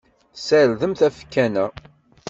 Sdermemt afakan-a.